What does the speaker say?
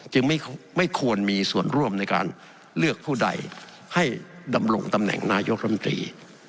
ไม่ควรมีส่วนร่วมในการเลือกผู้ใดให้ดำรงตำแหน่งนายกรรมตรี